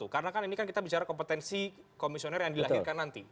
karena kan ini kita bicara kompetensi komisioner yang dilahirkan nanti